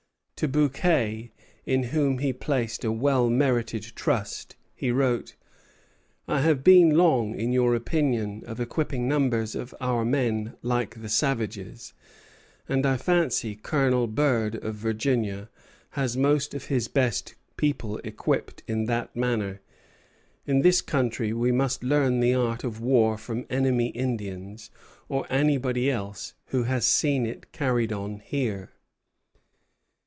To Bouquet, in whom he placed a well merited trust, he wrote, "I have been long in your opinion of equipping numbers of our men like the savages, and I fancy Colonel Burd, of Virginia, has most of his best people equipped in that manner. In this country we must learn the art of war from enemy Indians, or anybody else who has seen it carried on here."